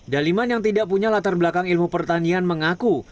daliman yang tidak punya latar belakang ilmu pertanian mengaku